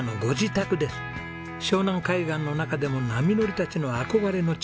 湘南海岸の中でも波乗りたちの憧れの地